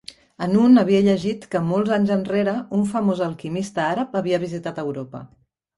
En un havia llegit que, molts anys enrere, un famós alquimista àrab havia visitat Europa.